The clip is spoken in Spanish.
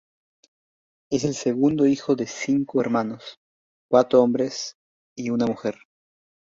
Es el segundo hijo de cinco cinco hermanos, cuatro hombres y una mujer.